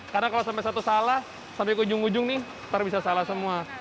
karena kalau sampai satu salah sampai ke ujung ujung nih nanti bisa salah semua